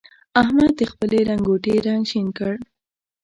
احمد د خپلې لنګوټې رنګ شين کړ.